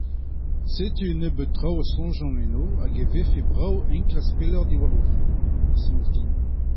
Setu un nebeud traoù a soñjan enno hag a vefe brav enklask pelloc'h diwar o fenn, a soñj din.